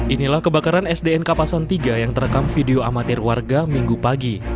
inilah kebakaran sdn kapasan tiga yang terekam video amatir warga minggu pagi